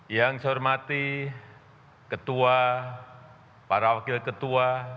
yang saya hormati ketua para wakil ketua